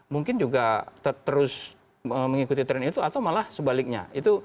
mungkin juga terus mengikuti tren itu atau malah sebaliknya